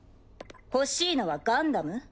欲しいのはガンダム？